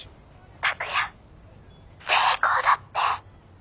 拓哉成功だって！